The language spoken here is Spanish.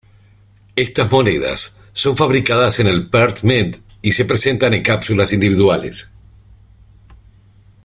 Estas monedas son fabricadas en la Perth Mint y se presentan en cápsulas individuales.